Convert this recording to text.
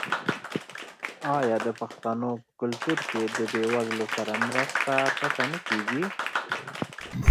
آیا د پښتنو په کلتور کې د بې وزلو سره مرسته پټه نه کیږي؟